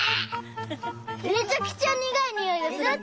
めちゃくちゃにがいにおいがする！